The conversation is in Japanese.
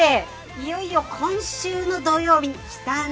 いよいよ今週の土曜日、きたね。